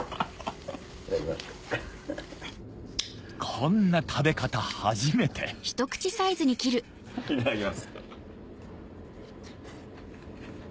こんな食べ方初めていただきます。